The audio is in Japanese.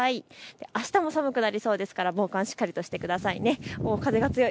あしたも寒くなりそうですから防寒しっかりとしてください。